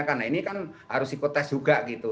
karena ini kan harus ikut tes juga gitu